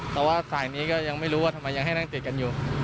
แต่ว่าสายนี้ก็ยังไม่รู้ว่าทำไมยังให้นั่งติดกันอยู่